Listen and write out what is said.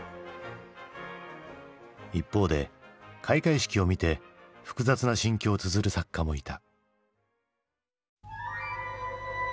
一方で開会式を見て複雑な心境をつづる作家もいた。